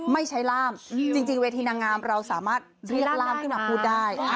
ไม่ใช้ล่ามจริงเวทีนางงามเราสามารถเรียกล่ามขึ้นมาพูดได้